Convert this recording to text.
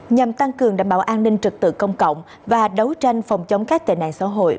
nhằm tăng cường đảm bảo an ninh trực tự công cộng và đấu tranh phòng chống các tệ nạn xã hội